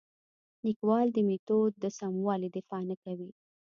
لیکوال د میتود د سموالي دفاع نه کوي.